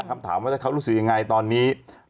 คำถามว่าถ้าเขารู้สึกยังไงตอนนี้